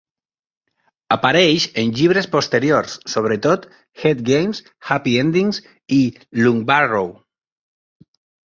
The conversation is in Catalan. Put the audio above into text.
Apareix en llibres posteriors, sobretot "Head games", "Happy endings" i "Lungbarrow".